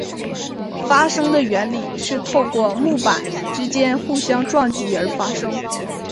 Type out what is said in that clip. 发声的原理是透过木板之间互相撞击而发声。